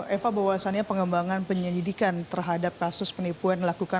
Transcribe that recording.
eva bahwasannya pengembangan penyelidikan terhadap kasus penipuan dilakukan